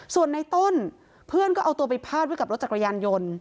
ส่วนในต้นเพื่อนก็เอาตัวไปพาดไว้กับรถจักรยานยนต์